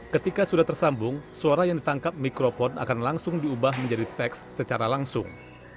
ketika sudah tersambung suara yang ditangkap mikropon akan langsung diubah menjadi teks secara langsung